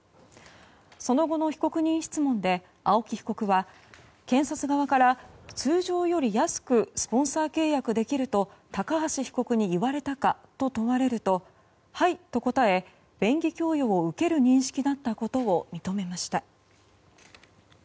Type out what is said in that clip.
その後の被告人質問で青木被告は検察側から通常より安くスポンサー契約できると高橋被告に言われたかと問われるとはい、と答え便宜供与を受ける認識だったことを認めました。